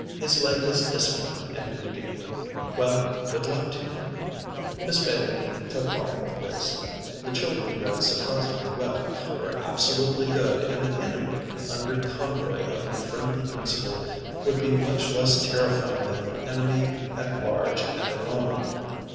His lay is discipline and reading. Well, good luck to you!" Miss Bailey took heart of grace. The children read surprisingly well, were absolutely good, and the enemy under convoy of the friendly Principal would be much less terrifying than the enemy at large and alone.